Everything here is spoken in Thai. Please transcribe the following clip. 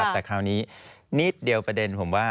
แต่คราวนี้นิดเดียวประเด็นผมว่า